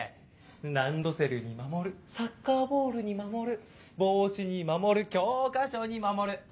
ランドセルに守サッカーボールに守帽子に守教科書に守。